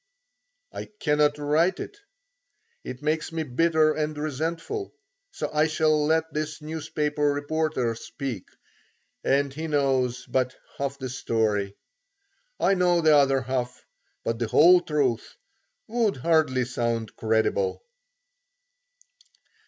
I cannot write it; it makes me bitter and resentful; so I shall let this newspaper reporter speak, and he knows but half the story. I know the other half, but the whole truth would hardly sound credible.